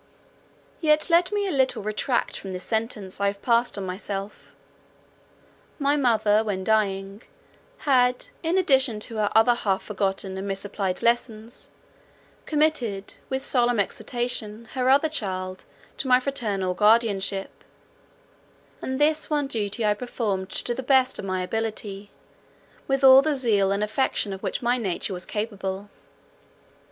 Yet let me a little retract from this sentence I have passed on myself. My mother, when dying, had, in addition to her other half forgotten and misapplied lessons, committed, with solemn exhortation, her other child to my fraternal guardianship; and this one duty I performed to the best of my ability, with all the zeal and affection of which my nature was capable.